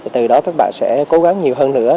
từ đó các bạn sẽ cố gắng nhiều hơn nữa